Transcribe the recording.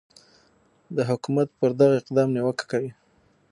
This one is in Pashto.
د حکومت پر دغه اقدام نیوکه کوي